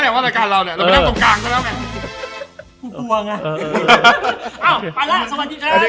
สวัสดีครับ